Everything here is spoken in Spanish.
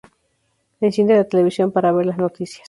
Enciende la televisión para ver las noticias.